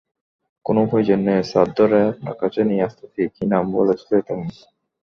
কোন প্রয়োজন নেই স্যার ধরে আপনার কাছে নিয়ে আসতেছি কী নাম বলেছিলে তুমি?